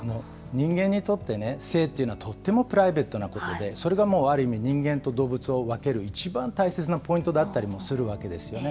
人間にとって性というのはとってもプライベートなことで、それがある意味、人間と動物を分ける一番大切なポイントだったりもするわけですよね。